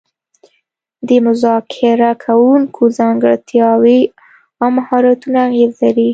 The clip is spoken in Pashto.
د مذاکره کوونکو ځانګړتیاوې او مهارتونه اغیز لري